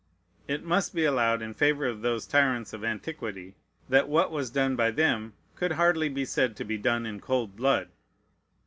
It must be allowed in favor of those tyrants of antiquity, that what was done by them could hardly be said to be done in cold blood.